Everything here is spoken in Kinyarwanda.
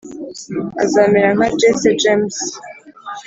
azamera nka jesse james.